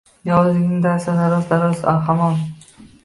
Yovuzlikning dasti daroz, daroz hamon.